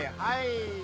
はい。